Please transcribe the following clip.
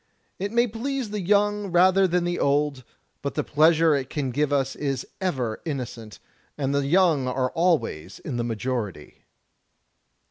It may please the young rather than the old, but the pleasure it can give is ever innocent; and the young are always in the majority."